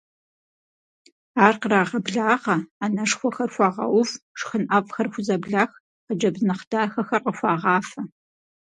Ар кърагъэблагъэ, ӏэнэшхуэхэр хуагъэув, шхын ӏэфӏхэр хузэблах, хъыджэбз нэхъ дахэхэр къыхуагъафэ.